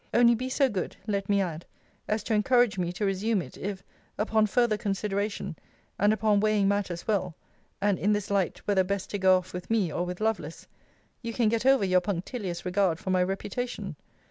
Only be so good (let me add) as to encourage me to resume it, if, upon farther consideration, and upon weighing matters well, (and in this light, whether best to go off with me, or with Lovelace,) you can get over your punctilious regard for my reputation.